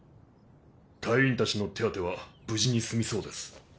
隊員たちの手当ては無事に済みそうです。